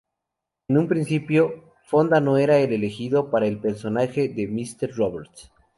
En un principio, Fonda no era el elegido para el personaje de Mister Roberts.